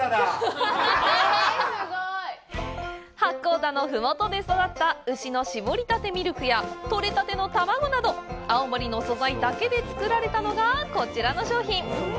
八甲田のふもとで育った牛の搾りたてミルクや採れたての卵など青森の素材だけで作られたのがこちらの商品。